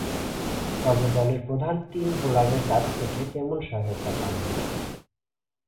তবে দলের প্রধান তিন বোলারের কাছ থেকে তেমন সহায়তা পাননি।